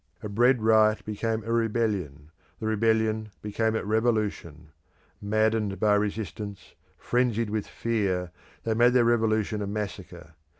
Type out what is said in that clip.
A bread riot became a rebellion; the rebellion became a revolution. Maddened by resistance, frenzied with fear, they made their revolution a massacre.